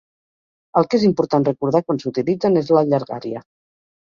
El que és important recordar quan s'utilitzen és la llargària.